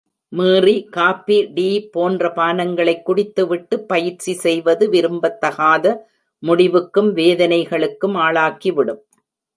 மீறி coffee, tea, போன்ற பானங்களைக் குடித்து விட்டு பயிற்சி செய்வது விரும்பத்தகாத முடிவுக்கும் வேதனைகளுக்கும் ஆளாக்கிவிடும்.